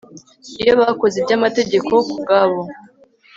iyo bakoze iby'amategeko ku bwabo